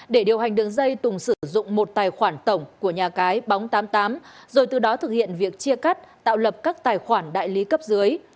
để điều hành đường dây tùng sử dụng một tài khoản tổng của nhà cái bóng tám mươi tám rồi từ đó thực hiện việc chia cắt tạo lập các tài khoản đại lý cấp dưới